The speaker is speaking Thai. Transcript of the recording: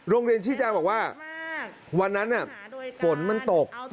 โรงเรียนชี่จังบอกว่าวันนั้นฝนมันตก